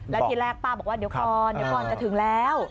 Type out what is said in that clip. แล้วทีแรกป้าบอกว่าเดี๋ยวก่อนจะถึงแล้ว